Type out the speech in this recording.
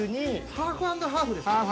ハーフ＆ハーフ。